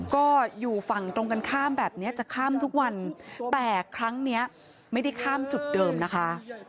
ก็อยู่ฝั่งตรงกันข้ามแบบนี้จะข้ามทุกวันแต่ครั้งเนี้ยไม่ได้ข้ามจุดเดิมนะคะ